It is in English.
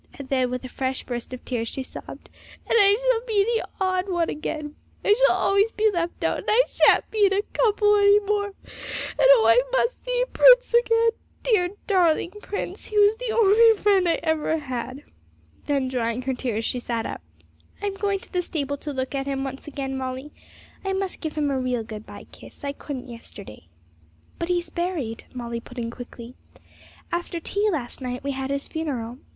And then, with a fresh burst of tears, she sobbed, 'And I shall be the odd one again! I shall always be left out! and I shan't be in a couple any more! And, oh! I must see Prince again; dear darling Prince, he was the only friend I've ever had.' Then, drying her tears, she sat up. 'I'm going to the stable to look at him once again, Molly. I must give him a real good bye kiss; I couldn't yesterday.' 'But he's buried,' Molly put in quickly. 'After tea last night we had his funeral.